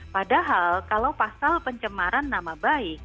padahal kalau pasal pencemaran nama baik